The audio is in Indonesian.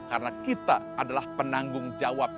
karena kita adalah penanggung jawabnya